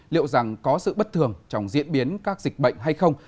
liệu rằng có sự bất thường trong diễn biến các dịch bệnh hay không